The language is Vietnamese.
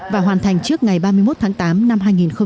và hoàn thành trước ngày ba mươi một tháng tám năm hai nghìn hai mươi